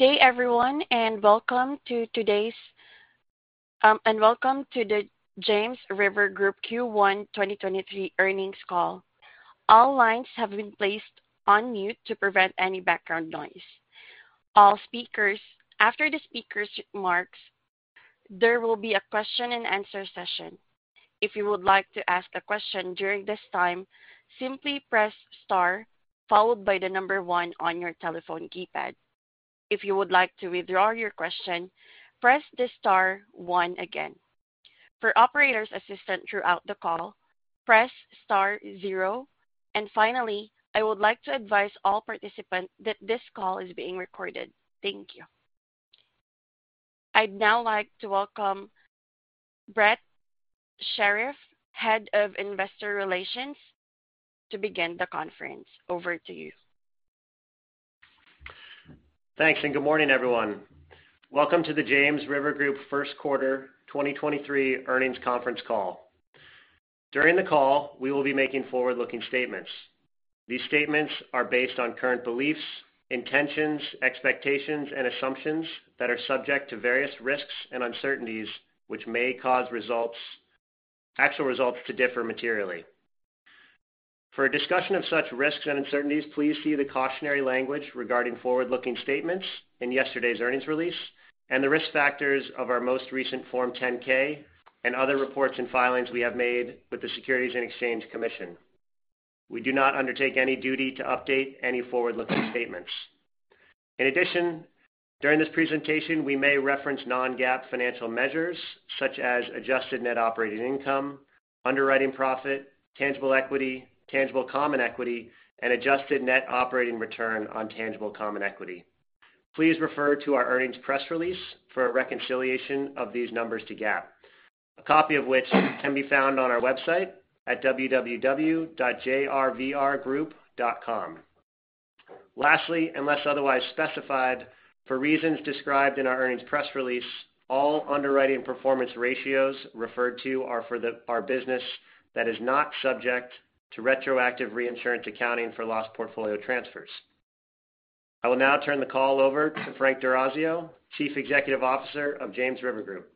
Good day everyone, welcome to the James River Group Q1 2023 earnings call. All lines have been placed on mute to prevent any background noise. After the speaker's remarks, there will be a question and answer session. If you would like to ask a question during this time, simply press star, followed by the number one on your telephone keypad. If you would like to withdraw your question, press the star one again. For operator's assistant throughout the call, press star zero. Finally, I would like to advise all participants that this call is being recorded. Thank you. I'd now like to welcome Brett Shirreffs, head of investor relations, to begin the conference. Over to you. Thanks, good morning, everyone. Welcome to the James River Group first quarter 2023 earnings conference call. During the call, we will be making forward-looking statements. These statements are based on current beliefs, intentions, expectations, and assumptions that are subject to various risks and uncertainties, which may cause actual results to differ materially. For a discussion of such risks and uncertainties, please see the cautionary language regarding forward-looking statements in yesterday's earnings release and the risk factors of our most recent Form 10-K and other reports and filings we have made with the Securities and Exchange Commission. We do not undertake any duty to update any forward-looking statements. In addition, during this presentation, we may reference non-GAAP financial measures such as adjusted net operating income, underwriting profit, tangible equity, tangible common equity, and adjusted net operating return on tangible common equity. Please refer to our earnings press release for a reconciliation of these numbers to GAAP. A copy of which can be found on our website at www.jrvrgroup.com. Lastly, unless otherwise specified, for reasons described in our earnings press release, all underwriting performance ratios referred to are for our business that is not subject to retroactive reinsurance accounting for loss portfolio transfers. I will now turn the call over to Frank D'Orazio, Chief Executive Officer of James River Group.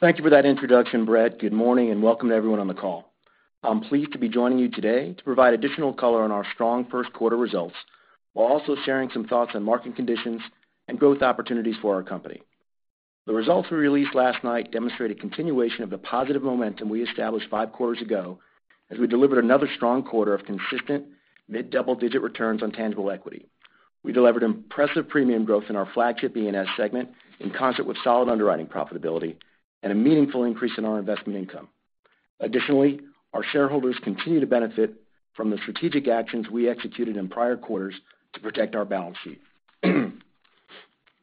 Thank you for that introduction, Brett. Good morning, welcome to everyone on the call. I'm pleased to be joining you today to provide additional color on our strong first quarter results, while also sharing some thoughts on market conditions and growth opportunities for our company. The results we released last night demonstrate a continuation of the positive momentum we established five quarters ago as we delivered another strong quarter of consistent mid-double digit returns on tangible equity. We delivered impressive premium growth in our flagship E&S segment in concert with solid underwriting profitability and a meaningful increase in our investment income. Additionally, our shareholders continue to benefit from the strategic actions we executed in prior quarters to protect our balance sheet.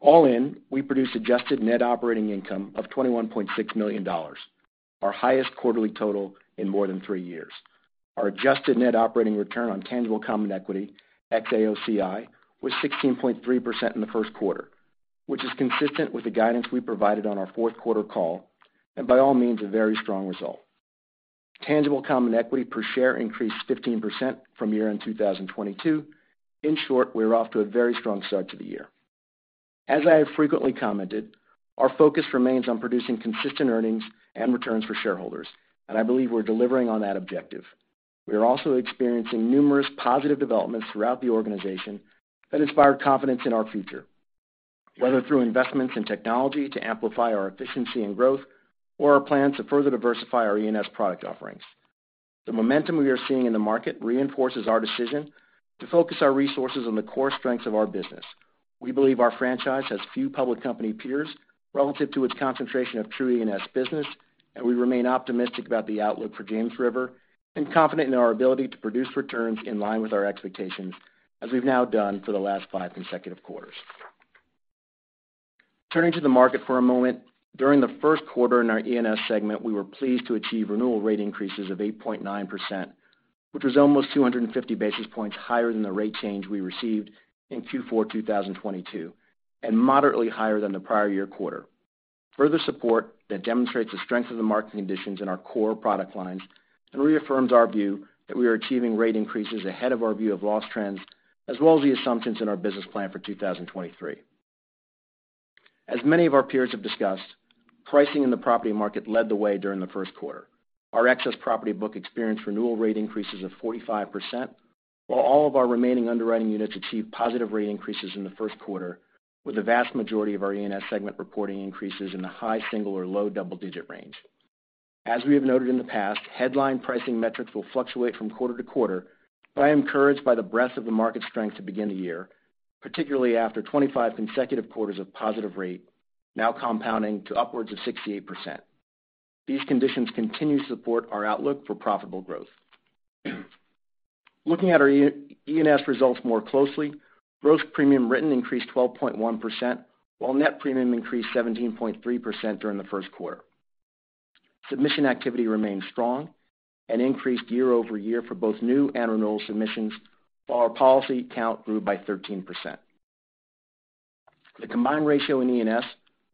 All in, we produced adjusted net operating income of $21.6 million, our highest quarterly total in more than three years. Our adjusted net operating return on tangible common equity ex-AOCI was 16.3% in the first quarter, which is consistent with the guidance we provided on our fourth quarter call, and by all means, a very strong result. Tangible common equity per share increased 15% from year-end 2022. In short, we're off to a very strong start to the year. As I have frequently commented, our focus remains on producing consistent earnings and returns for shareholders, and I believe we're delivering on that objective. We are also experiencing numerous positive developments throughout the organization that inspire confidence in our future, whether through investments in technology to amplify our efficiency and growth, or our plans to further diversify our E&S product offerings. The momentum we are seeing in the market reinforces our decision to focus our resources on the core strengths of our business. We believe our franchise has few public company peers relative to its concentration of true E&S business, and we remain optimistic about the outlook for James River and confident in our ability to produce returns in line with our expectations, as we've now done for the last five consecutive quarters. Turning to the market for a moment. During the first quarter in our E&S segment, we were pleased to achieve renewal rate increases of 8.9%, which was almost 250 basis points higher than the rate change we received in Q4 2022, and moderately higher than the prior year quarter. Further support that demonstrates the strength of the market conditions in our core product lines and reaffirms our view that we are achieving rate increases ahead of our view of loss trends, as well as the assumptions in our business plan for 2023. As many of our peers have discussed, pricing in the property market led the way during the first quarter. Our excess property book experienced renewal rate increases of 45%, while all of our remaining underwriting units achieved positive rate increases in the first quarter, with the vast majority of our E&S segment reporting increases in the high single or low double-digit range. As we have noted in the past, headline pricing metrics will fluctuate from quarter to quarter, but I am encouraged by the breadth of the market strength to begin the year, particularly after 25 consecutive quarters of positive rate, now compounding to upwards of 68%. These conditions continue to support our outlook for profitable growth. Looking at our E&S results more closely, gross premium written increased 12.1%, while net premium increased 17.3% during the first quarter. Submission activity remained strong and increased year-over-year for both new and renewal submissions, while our policy count grew by 13%. The combined ratio in E&S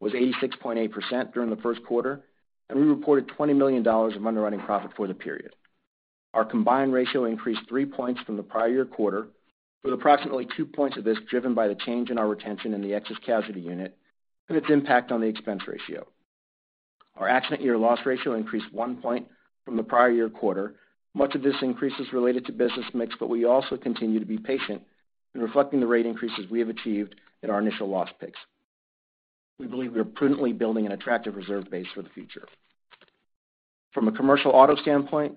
was 86.8% during the first quarter, and we reported $20 million of underwriting profit for the period. Our combined ratio increased three points from the prior year quarter, with approximately two points of this driven by the change in our retention in the excess casualty unit and its impact on the expense ratio. Our accident year loss ratio increased one point from the prior year quarter. Much of this increase is related to business mix, but we also continue to be patient in reflecting the rate increases we have achieved at our initial loss picks. We believe we are prudently building an attractive reserve base for the future. From a commercial auto standpoint,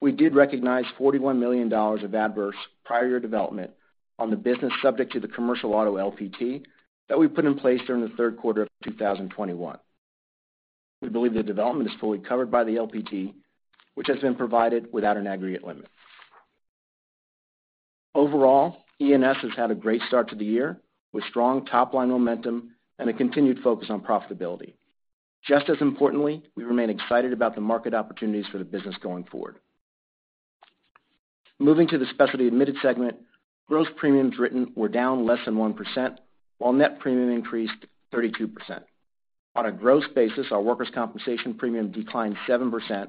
we did recognize $41 million of adverse prior year development on the business subject to the commercial auto LPT that we put in place during the third quarter of 2021. We believe the development is fully covered by the LPT, which has been provided without an aggregate limit. Overall, E&S has had a great start to the year, with strong top-line momentum and a continued focus on profitability. Just as importantly, we remain excited about the market opportunities for the business going forward. Moving to the specialty admitted segment, gross premiums written were down less than 1%, while net premium increased 32%. On a gross basis, our workers' compensation premium declined 7%,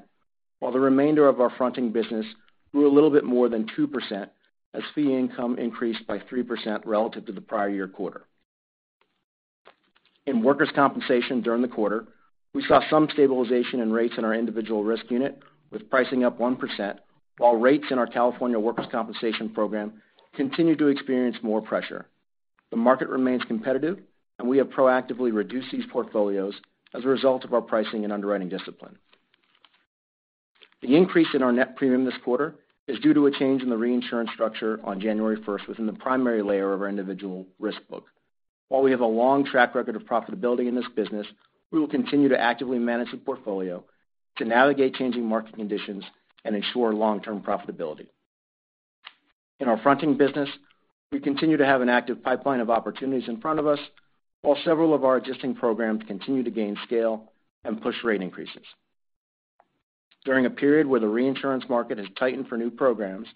while the remainder of our fronting business grew a little bit more than 2% as fee income increased by 3% relative to the prior year quarter. In workers' compensation during the quarter, we saw some stabilization in rates in our individual risk unit, with pricing up 1%, while rates in our California workers' compensation program continued to experience more pressure. The market remains competitive, and we have proactively reduced these portfolios as a result of our pricing and underwriting discipline. The increase in our net premium this quarter is due to a change in the reinsurance structure on January 1st within the primary layer of our individual risk book. While we have a long track record of profitability in this business, we will continue to actively manage the portfolio to navigate changing market conditions and ensure long-term profitability. In our fronting business, we continue to have an active pipeline of opportunities in front of us, while several of our existing programs continue to gain scale and push rate increases. During a period where the reinsurance market has tightened for new programs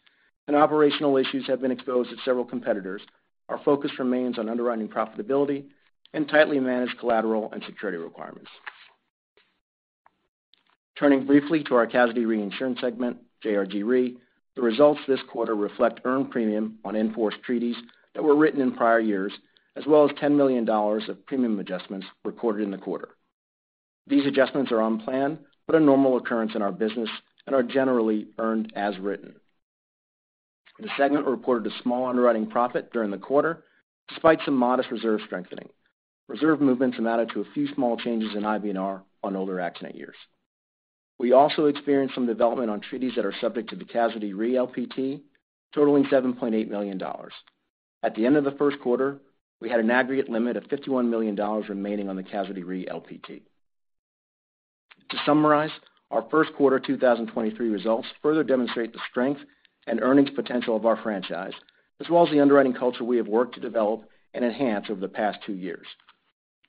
and operational issues have been exposed at several competitors, our focus remains on underwriting profitability and tightly managed collateral and security requirements. Turning briefly to our casualty reinsurance segment, JRG Re, the results this quarter reflect earned premium on in-force treaties that were written in prior years, as well as $10 million of premium adjustments recorded in the quarter. These adjustments are on plan but a normal occurrence in our business and are generally earned as written. The segment reported a small underwriting profit during the quarter, despite some modest reserve strengthening. Reserve movements amounted to a few small changes in IBNR on older accident years. We also experienced some development on treaties that are subject to the Casualty Re LPT, totaling $7.8 million. At the end of the first quarter, we had an aggregate limit of $51 million remaining on the Casualty Re LPT. To summarize, our first quarter 2023 results further demonstrate the strength and earnings potential of our franchise, as well as the underwriting culture we have worked to develop and enhance over the past two years.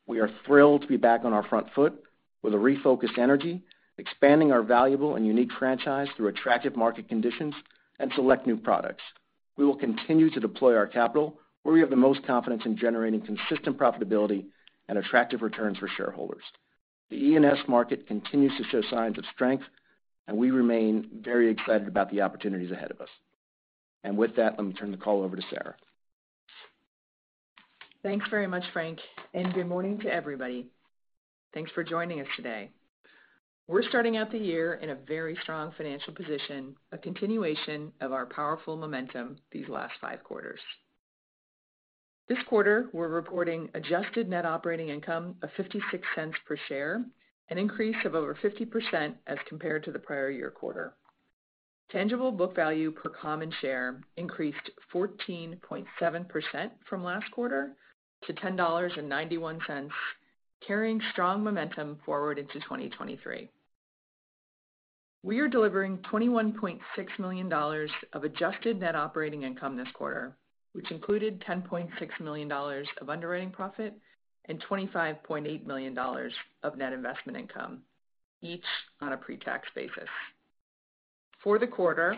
We are thrilled to be back on our front foot with a refocused energy, expanding our valuable and unique franchise through attractive market conditions and select new products. We will continue to deploy our capital where we have the most confidence in generating consistent profitability and attractive returns for shareholders. The E&S market continues to show signs of strength, and we remain very excited about the opportunities ahead of us. With that, let me turn the call over to Sarah. Thanks very much, Frank, and good morning to everybody. Thanks for joining us today. We are starting out the year in a very strong financial position, a continuation of our powerful momentum these last 5 quarters. This quarter, we are reporting adjusted net operating income of $0.56 per share, an increase of over 50% as compared to the prior year quarter. Tangible book value per common share increased 14.7% from last quarter to $10.91, carrying strong momentum forward into 2023. We are delivering $21.6 million of adjusted net operating income this quarter, which included $10.6 million of underwriting profit and $25.8 million of net investment income, each on a pre-tax basis. For the quarter,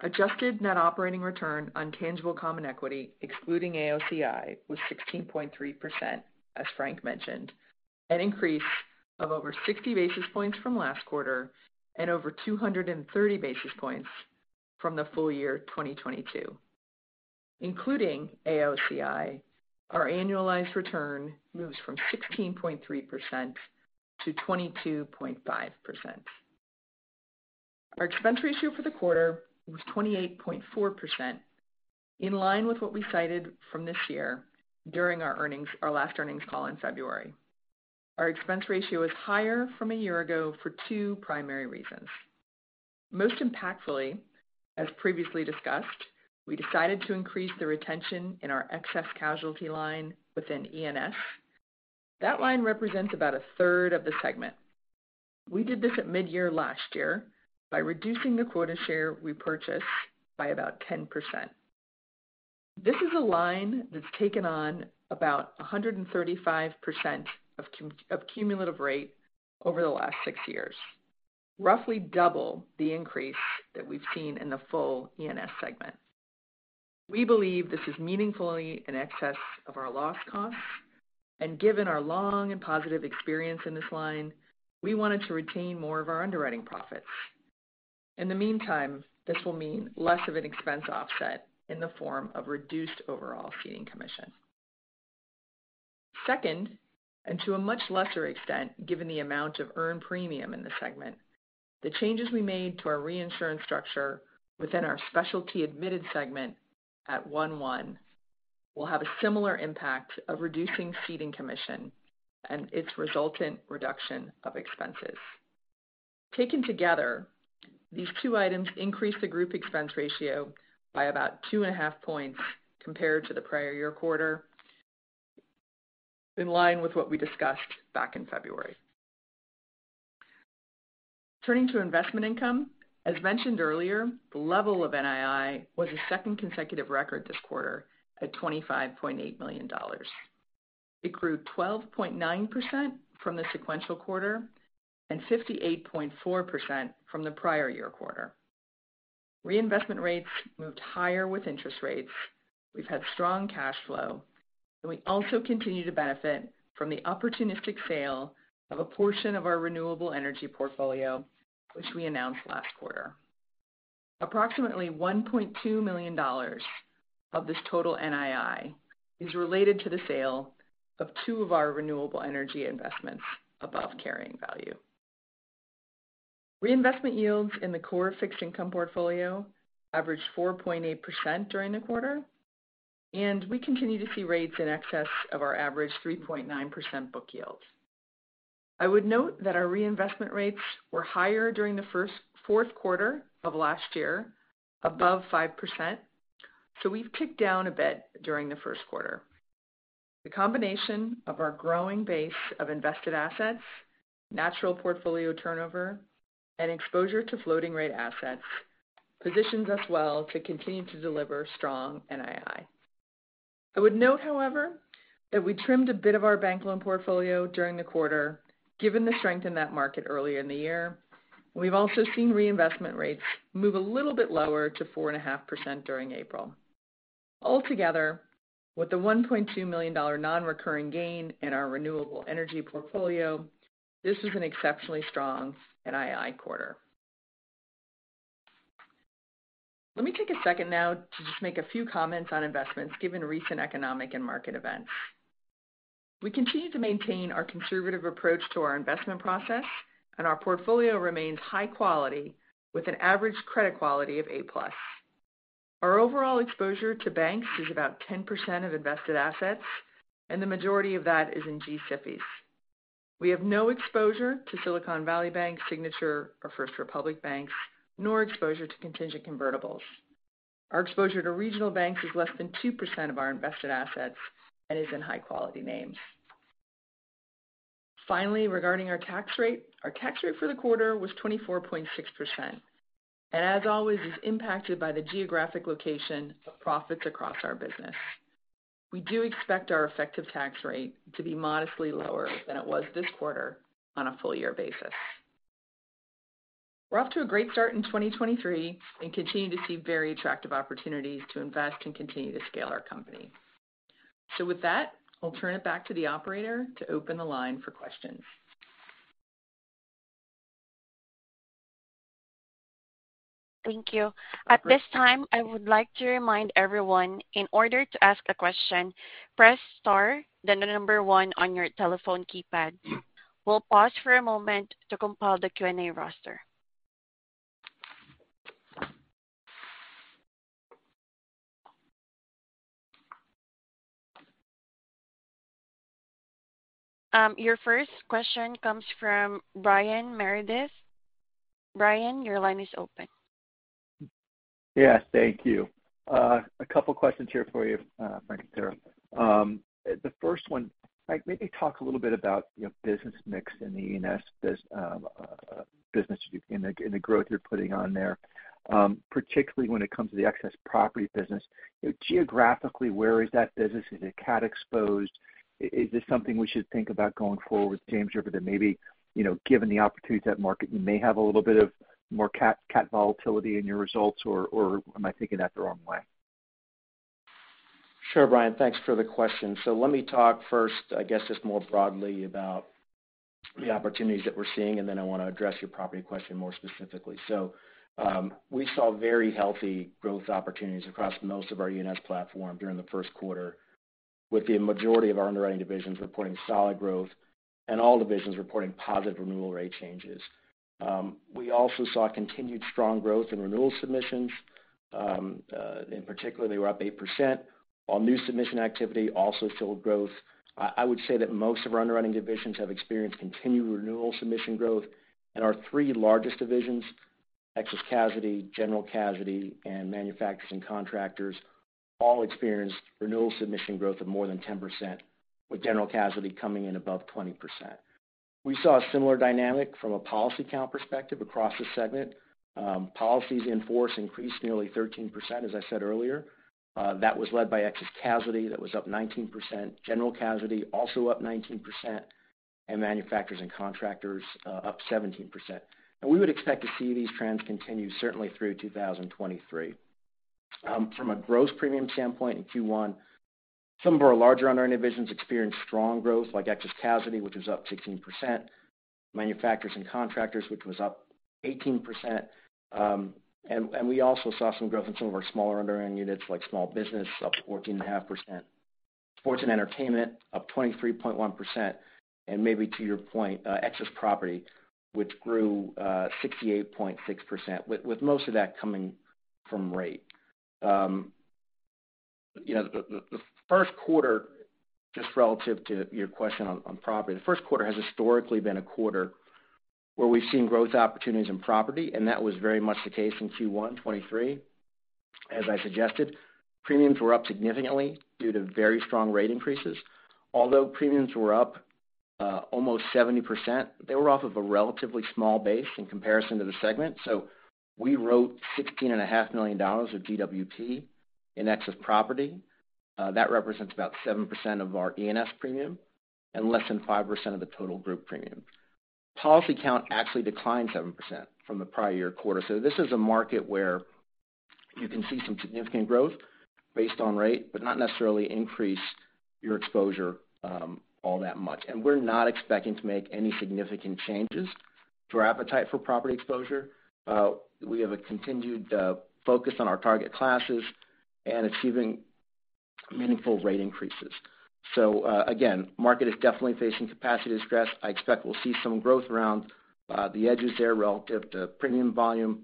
adjusted net operating return on tangible common equity excluding AOCI was 16.3%, as Frank mentioned, an increase of over 60 basis points from last quarter and over 230 basis points from the full year 2022. Including AOCI, our annualized return moves from 16.3% to 22.5%. Our expense ratio for the quarter was 28.4%, in line with what we cited from this year during our last earnings call in February. Our expense ratio is higher from a year ago for 2 primary reasons. Most impactfully, as previously discussed, we decided to increase the retention in our excess casualty line within E&S. That line represents about a third of the segment. We did this at mid-year last year by reducing the quota share we purchase by about 10%. This is a line that has taken on about 135% of cumulative rate over the last 6 years, roughly double the increase that we have seen in the full E&S segment. We believe this is meaningfully in excess of our loss costs, and given our long and positive experience in this line, we wanted to retain more of our underwriting profits. In the meantime, this will mean less of an expense offset in the form of reduced overall ceding commission. Second, and to a much lesser extent, given the amount of earned premium in the segment, the changes we made to our reinsurance structure within our specialty admitted segment at one-one will have a similar impact of reducing ceding commission and its resultant reduction of expenses. Taken together, these 2 items increase the group expense ratio by about two and a half points compared to the prior year quarter, in line with what we discussed back in February. Turning to investment income. As mentioned earlier, the level of NII was a second consecutive record this quarter at $25.8 million. It grew 12.9% from the sequential quarter and 58.4% from the prior year quarter. Reinvestment rates moved higher with interest rates. We have had strong cash flow, and we also continue to benefit from the opportunistic sale of a portion of our renewable energy portfolio, which we announced last quarter. Approximately $1.2 million of this total NII is related to the sale of 2 of our renewable energy investments above carrying value. Reinvestment yields in the core fixed income portfolio averaged 4.8% during the quarter, and we continue to see rates in excess of our average 3.9% book yields. I would note that our reinvestment rates were higher during the fourth quarter of last year, above 5%, so we have ticked down a bit during the first quarter. The combination of our growing base of invested assets, natural portfolio turnover, and exposure to floating rate assets positions us well to continue to deliver strong NII. I would note, however, that we trimmed a bit of our bank loan portfolio during the quarter, given the strength in that market earlier in the year. We've also seen reinvestment rates move a little bit lower to 4.5% during April. Altogether, with the $1.2 million non-recurring gain in our renewable energy portfolio, this was an exceptionally strong NII quarter. Let me take a second now to just make a few comments on investments, given recent economic and market events. We continue to maintain our conservative approach to our investment process, and our portfolio remains high quality with an average credit quality of A-plus. Our overall exposure to banks is about 10% of invested assets, and the majority of that is in G-SIBs. We have no exposure to Silicon Valley Bank, Signature, or First Republic Bank, nor exposure to contingent convertibles. Our exposure to regional banks is less than 2% of our invested assets and is in high-quality names. Finally, regarding our tax rate. Our tax rate for the quarter was 24.6%, and as always, is impacted by the geographic location of profits across our business. We do expect our effective tax rate to be modestly lower than it was this quarter on a full year basis. We're off to a great start in 2023 and continue to see very attractive opportunities to invest and continue to scale our company. With that, I'll turn it back to the operator to open the line for questions. Thank you. At this time, I would like to remind everyone, in order to ask a question, press star then the number one on your telephone keypad. We'll pause for a moment to compile the Q&A roster. Your first question comes from Brian Meredith. Brian, your line is open. Yes. Thank you. A couple questions here for you, Mike and Sarah. The first one, Mike, maybe talk a little bit about your business mix in the E&S business and the growth you're putting on there, particularly when it comes to the excess property business. Geographically, where is that business? Is it CAT exposed? Is this something we should think about going forward with James River that maybe, given the opportunities in that market, you may have a little bit of more CAT volatility in your results, or am I thinking that the wrong way? Sure, Brian. Thanks for the question. Let me talk first, I guess, just more broadly about the opportunities that we're seeing, and then I want to address your property question more specifically. We saw very healthy growth opportunities across most of our E&S platform during the first quarter, with the majority of our underwriting divisions reporting solid growth and all divisions reporting positive renewal rate changes. We also saw continued strong growth in renewal submissions. In particular, they were up 8%, while new submission activity also showed growth. I would say that most of our underwriting divisions have experienced continued renewal submission growth, and our three largest divisions, excess casualty, general casualty, and manufacturers and contractors, all experienced renewal submission growth of more than 10%, with general casualty coming in above 20%. We saw a similar dynamic from a policy count perspective across the segment. Policies in force increased nearly 13%, as I said earlier. That was led by excess casualty, that was up 19%, general casualty also up 19% manufacturers and contractors up 17%. We would expect to see these trends continue certainly through 2023. From a gross premium standpoint, in Q1, some of our larger underwritings experienced strong growth, like excess casualty, which was up 16%, manufacturers and contractors, which was up 18%. We also saw some growth in some of our smaller underwriting units, like small business, up 14.5%. Sports and entertainment up 23.1%. Maybe to your point, excess property, which grew 68.6%, with most of that coming from rate. The first quarter, just relative to your question on property, the first quarter has historically been a quarter where we've seen growth opportunities in property, and that was very much the case in Q1 2023. As I suggested, premiums were up significantly due to very strong rate increases. Although premiums were up almost 70%, they were off of a relatively small base in comparison to the segment. We wrote $16.5 million of GWP in excess property. That represents about 7% of our E&S premium and less than 5% of the total group premium. Policy count actually declined 7% from the prior year quarter. This is a market where you can see some significant growth based on rate, but not necessarily increase your exposure all that much. We're not expecting to make any significant changes to our appetite for property exposure. We have a continued focus on our target classes and achieving meaningful rate increases. Again, market is definitely facing capacity stress. I expect we'll see some growth around the edges there relative to premium volume,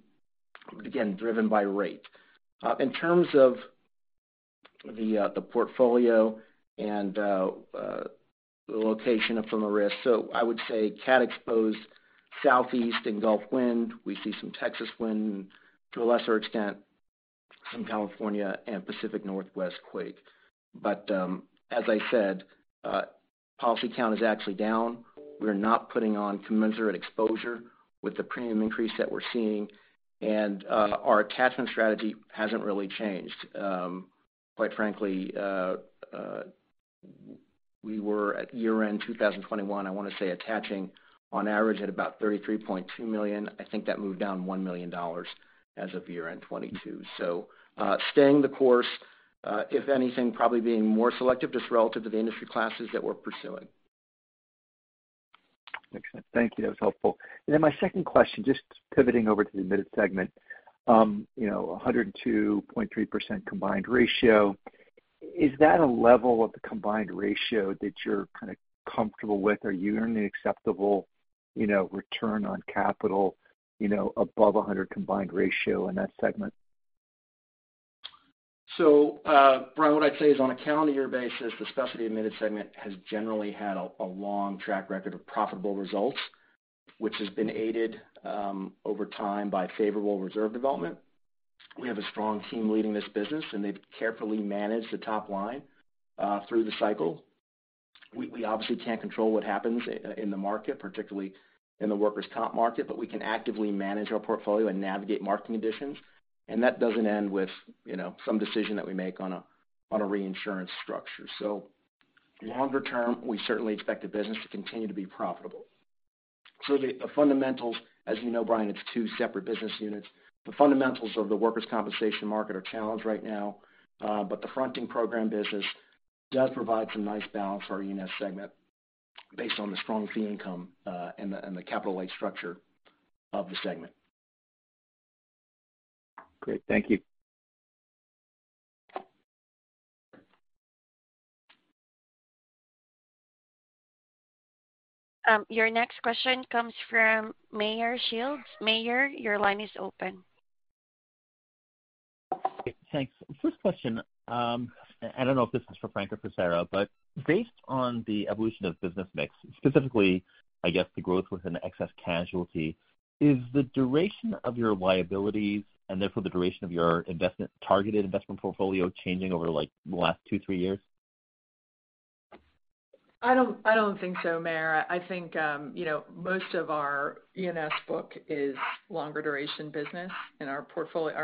but again, driven by rate. In terms of the portfolio and the location of from a risk, I would say CAT exposed Southeast and Gulf wind. We see some Texas wind, to a lesser extent, some California and Pacific Northwest quake. As I said, policy count is actually down. We are not putting on commensurate exposure with the premium increase that we're seeing. Our attachment strategy hasn't really changed. Quite frankly, we were at year-end 2021, I want to say, attaching on average at about $33.2 million. I think that moved down $1 million as of year-end 2022. Staying the course, if anything, probably being more selective just relative to the industry classes that we're pursuing. Excellent. Thank you. That was helpful. My second question, just pivoting over to the admitted segment. 102.3% combined ratio. Is that a level of the combined ratio that you're kind of comfortable with? Are you earning acceptable return on capital above 100 combined ratio in that segment? Brian, what I'd say is on a calendar year basis, the specialty admitted segment has generally had a long track record of profitable results, which has been aided over time by favorable reserve development. We have a strong team leading this business, and they've carefully managed the top line through the cycle. We obviously can't control what happens in the market, particularly in the workers' comp market, but we can actively manage our portfolio and navigate marketing conditions. That doesn't end with some decision that we make on a reinsurance structure. Longer term, we certainly expect the business to continue to be profitable. The fundamentals, as you know, Brian, it's two separate business units. The fundamentals of the workers' compensation market are challenged right now. The fronting program business does provide some nice balance for our E&S segment based on the strong fee income, and the capital light structure of the segment. Great. Thank you. Your next question comes from Meyer Shields. Meyer, your line is open. Thanks. First question, I don't know if this is for Frank or for Sarah, based on the evolution of business mix, specifically, I guess the growth within excess casualty, is the duration of your liabilities and therefore the duration of your targeted investment portfolio changing over the last two, three years? I don't think so, Meyer. I think most of our E&S book is longer duration business, our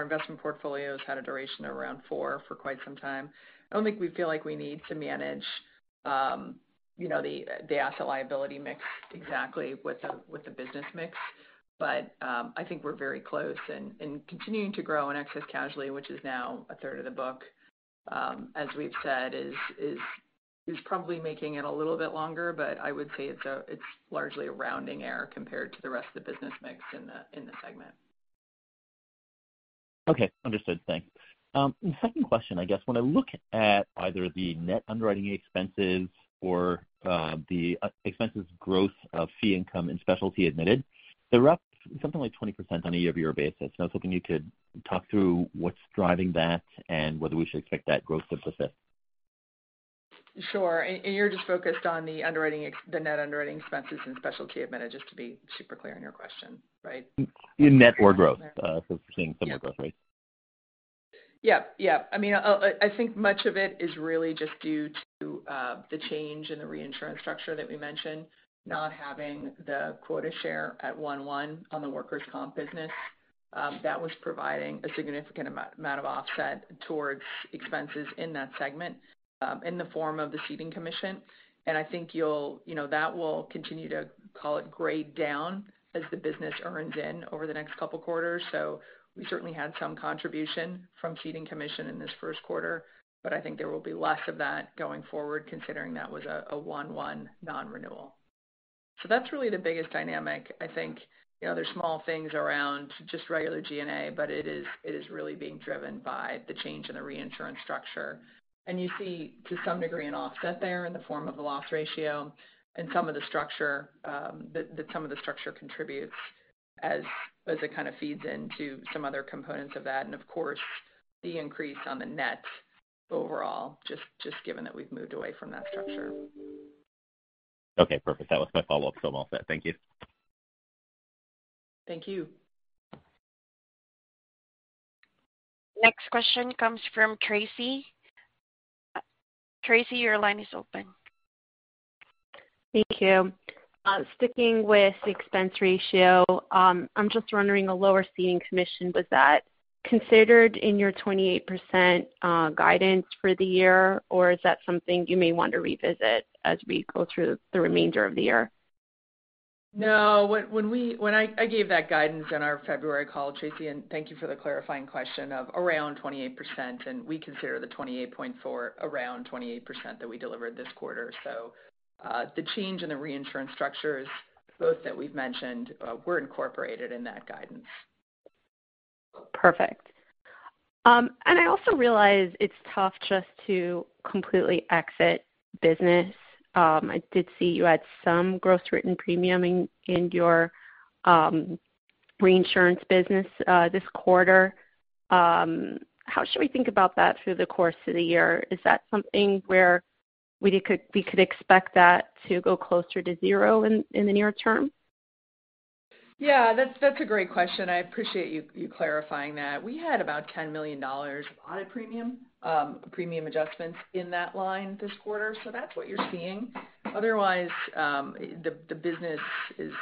investment portfolio's had a duration around four for quite some time. I don't think we feel like we need to manage the asset liability mix exactly with the business mix. I think we're very close, continuing to grow in excess casualty, which is now a third of the book, as we've said, is probably making it a little bit longer, I would say it's largely a rounding error compared to the rest of the business mix in the segment. Okay. Understood. Thanks. Second question, I guess when I look at either the net underwriting expenses or the expenses growth of fee income and specialty admitted, they're up something like 20% on a year-over-year basis, I was hoping you could talk through what's driving that and whether we should expect that growth to persist. Sure. You're just focused on the net underwriting expenses and specialty admitted, just to be super clear on your question, right? In net or growth, seeing some growth rates. Yep. I think much of it is really just due to the change in the reinsurance structure that we mentioned, not having the quota share at 1/1 on the workers' comp business. That was providing a significant amount of offset towards expenses in that segment in the form of the ceding commission. I think that will continue to, call it, grade down as the business earns in over the next couple quarters. We certainly had some contribution from ceding commission in this first quarter, I think there will be less of that going forward considering that was a 1/1 non-renewal. That's really the biggest dynamic. I think there's small things around just regular G&A, it is really being driven by the change in the reinsurance structure. You see to some degree an offset there in the form of a loss ratio, and that some of the structure contributes as it kind of feeds into some other components of that. Of course, the increase on the net overall, just given that we've moved away from that structure. Okay, perfect. That was my follow-up. I'm all set. Thank you. Thank you. Next question comes from Tracy. Tracy, your line is open. Thank you. Sticking with the expense ratio, I'm just wondering the lower ceding commission, was that considered in your 28% guidance for the year or is that something you may want to revisit as we go through the remainder of the year? No. I gave that guidance on our February call, Tracy, and thank you for the clarifying question of around 28%, and we consider the 28.4 around 28% that we delivered this quarter. The change in the reinsurance structures, both that we've mentioned, were incorporated in that guidance. Perfect. I also realize it's tough just to completely exit business. I did see you had some gross written premium in your reinsurance business this quarter. How should we think about that through the course of the year? Is that something where we could expect that to go closer to zero in the near term? Yeah, that's a great question. I appreciate you clarifying that. We had about $10 million of audit premium adjustments in that line this quarter. That's what you're seeing. Otherwise, the business is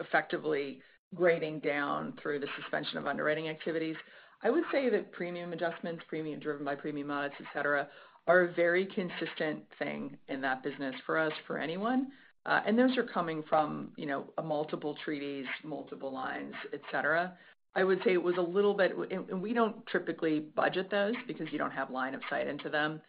effectively grading down through the suspension of underwriting activities. I would say that premium adjustments driven by premium mods, et cetera, are a very consistent thing in that business for us, for anyone. Those are coming from multiple treaties, multiple lines, et cetera. We don't typically budget those because you don't have line of sight into them.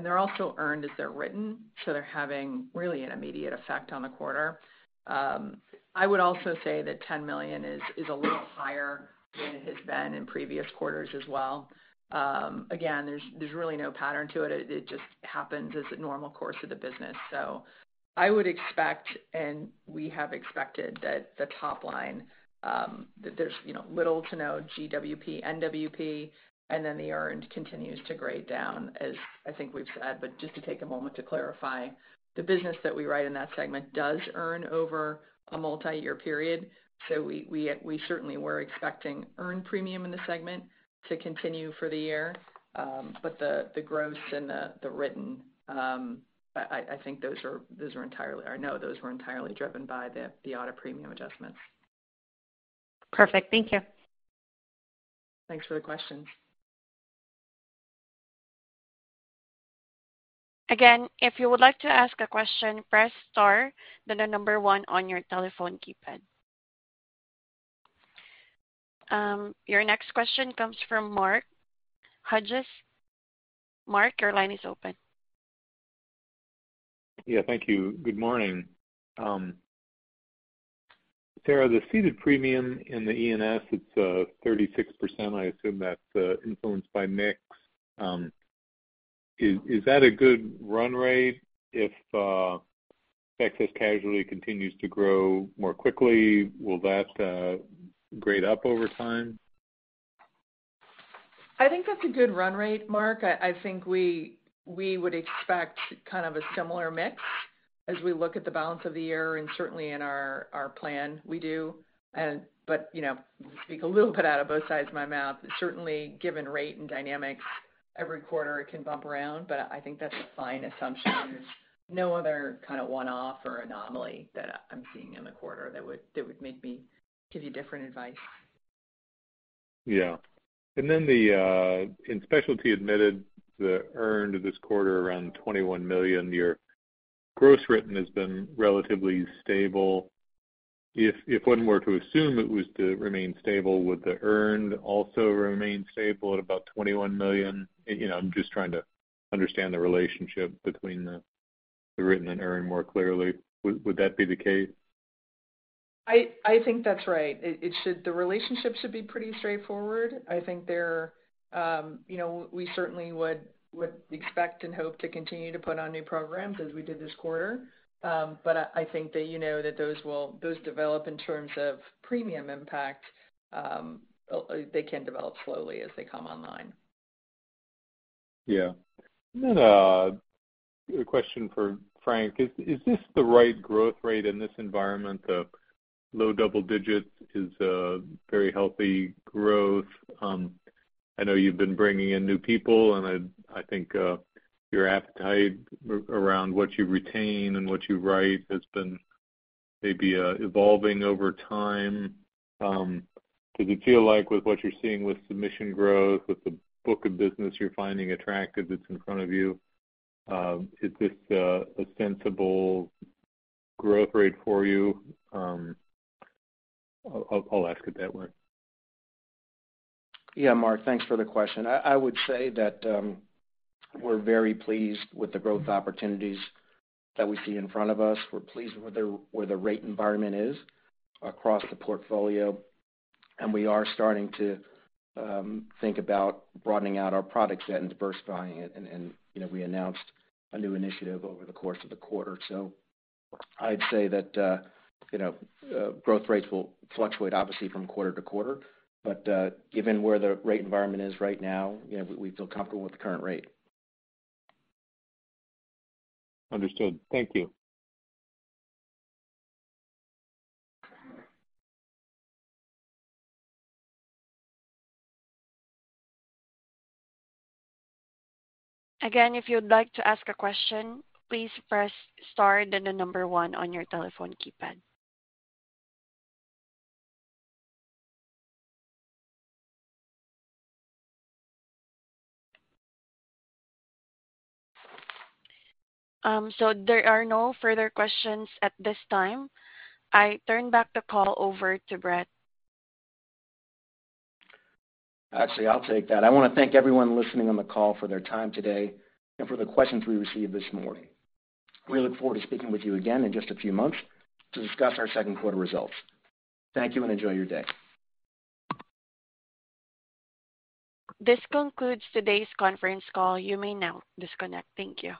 They're also earned as they're written, so they're having really an immediate effect on the quarter. I would also say that $10 million is a little higher than it has been in previous quarters as well. Again, there's really no pattern to it. It just happens as a normal course of the business. I would expect, and we have expected that the top line, that there's little to no GWP, NWP, the earned continues to grade down as I think we've said, just to take a moment to clarify. The business that we write in that segment does earn over a multi-year period. We certainly were expecting earned premium in the segment to continue for the year. The gross and the written, I know those were entirely driven by the audit premium adjustments. Perfect. Thank you. Thanks for the question. Again, if you would like to ask a question, press star, then the number one on your telephone keypad. Your next question comes from Mark Hughes. Mark, your line is open. Yeah, thank you. Good morning. Tara, the ceded premium in the E&S, it's 36%. I assume that's influenced by mix. Is that a good run rate if Excess Casualty continues to grow more quickly? Will that grade up over time? I think that's a good run rate, Mark. I think we would expect kind of a similar mix as we look at the balance of the year and certainly in our plan, we do. To speak a little bit out of both sides of my mouth, certainly given rate and dynamics every quarter it can bump around, but I think that's a fine assumption. There's no other kind of one-off or anomaly that I'm seeing in the quarter that would make me give you different advice. Yeah. Then in specialty admitted, the earned this quarter around $21 million. Your gross written has been relatively stable. If one were to assume it was to remain stable, would the earned also remain stable at about $21 million? I'm just trying to understand the relationship between the written and earned more clearly. Would that be the case? I think that's right. The relationship should be pretty straightforward. I think we certainly would expect and hope to continue to put on new programs as we did this quarter. I think that those develop in terms of premium impact. They can develop slowly as they come online. Yeah. Then a question for Frank. Is this the right growth rate in this environment of low double digits is a very healthy growth? I know you've been bringing in new people, and I think your appetite around what you retain and what you write has been maybe evolving over time. Does it feel like with what you're seeing with submission growth, with the book of business you're finding attractive that's in front of you, is this a sensible growth rate for you? I'll ask it that way. Yeah, Mark. Thanks for the question. I would say that we're very pleased with the growth opportunities that we see in front of us. We're pleased with where the rate environment is across the portfolio, and we are starting to think about broadening out our product set and diversifying it, and we announced a new initiative over the course of the quarter. I'd say that growth rates will fluctuate, obviously, from quarter to quarter. Given where the rate environment is right now, we feel comfortable with the current rate. Understood. Thank you. Again, if you'd like to ask a question, please press star, then the number 1 on your telephone keypad. There are no further questions at this time. I turn back the call over to Brett. Actually, I'll take that. I want to thank everyone listening on the call for their time today and for the questions we received this morning. We look forward to speaking with you again in just a few months to discuss our second quarter results. Thank you, and enjoy your day. This concludes today's conference call. You may now disconnect. Thank you.